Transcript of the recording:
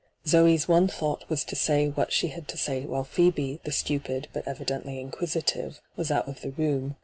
Zoe's one thought was to aay what she had to say while Phcebe, the stupid, but evidently inquisitive, was out of the room.